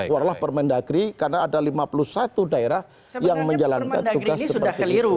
keluarlah permendagri karena ada lima puluh satu daerah yang menjalankan tugas seperti itu